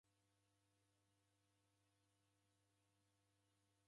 W'efwana w'imsighe huru.